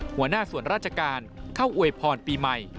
หัวหน้าส่วนราชการเข้าอวยพรปีใหม่